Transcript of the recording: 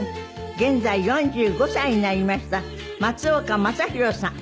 現在４５歳になりました松岡昌宏さん。